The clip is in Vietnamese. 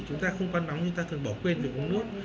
chúng ta không quan bóng chúng ta thường bỏ quên về uống nước